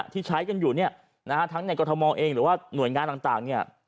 ที่ใช้กันอยู่ทั้งในกรทมเองหรือว่าหน่วยงานต่าง